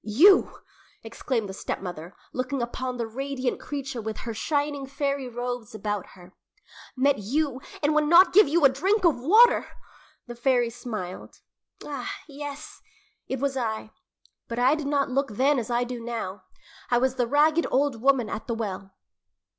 "You!" exclaimed the stepmother, looking upon the radiant creature with her shining fairy robes about her. "Met you, and would not give you a drink of water!" The fairy smiled. "Ah, yes; it was I, but I did not look then as I now do. I was the ragged old woman at the well."